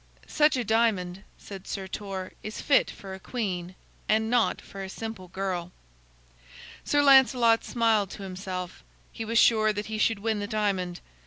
"Such a diamond," said Sir Torre, "is fit for a queen, and not for a simple girl." Sir Lancelot smiled to himself. He was sure that he should win the diamond.